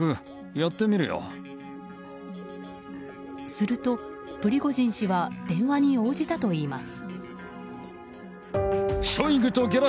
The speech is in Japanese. するとプリゴジン氏は電話に応じたといいます。